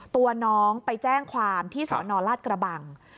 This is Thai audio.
ตัวน้องไปแจ้งความที่สนราชกระบัง